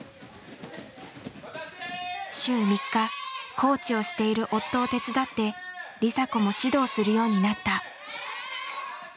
週３日コーチをしている夫を手伝って梨紗子も指導するようになった。